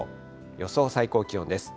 予想最高気温です。